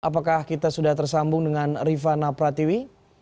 apakah kita sudah tersambung dengan rifana pratiwi